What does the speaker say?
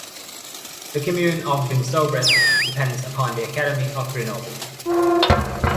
The commune of Vinsobres depends upon the academy of Grenoble.